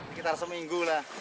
sekitar seminggu lah